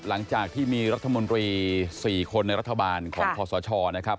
หลังจากที่มีรัฐมนตรี๔คนในรัฐบาลของคอสชนะครับ